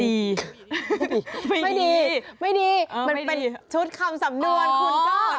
ไม่ดีไม่ดีมันเป็นชุดคำสำนวนคุณก็